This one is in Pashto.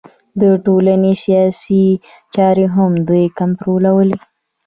د ټولنې سیاسي چارې هم دوی کنټرولوي